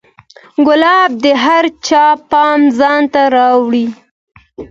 ګلاب د هر چا پام ځان ته را اړوي.